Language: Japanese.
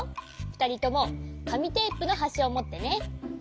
ふたりともかみテープのはしをもってね。